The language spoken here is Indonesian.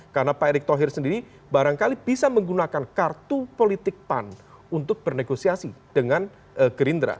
karena pak erick thohir sendiri barangkali bisa menggunakan kartu politik pan untuk bernegosiasi dengan gerindra